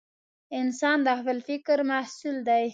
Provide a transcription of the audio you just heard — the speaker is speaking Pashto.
انسان د خپل فکر محصول دی.